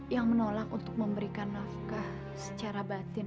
yang menolak untuk memberikan nafkah secara batin